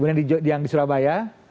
kemudian yang di surabaya